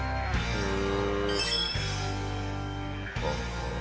へえ。